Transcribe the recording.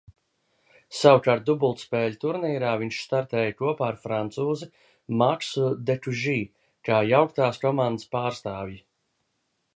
Savukārt dubultspēļu turnīrā viņš startēja kopā ar francūzi Maksu Dekužī kā Jauktās komandas pārstāvji.